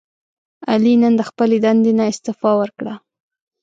علي نن د خپلې دندې نه استعفا ورکړه.